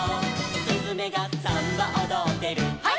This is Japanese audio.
「すずめがサンバおどってる」「ハイ！」